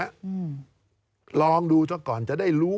การเลือกตั้งครั้งนี้แน่